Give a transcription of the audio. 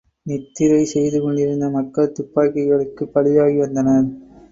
நித்திரை செய்துகொண்டிருந்த மக்கள் துப்பாக்கிகளுக்குப் பலியாகி வந்தனர்.